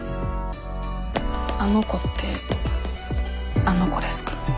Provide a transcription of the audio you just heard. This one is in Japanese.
あの子ってあの子ですか？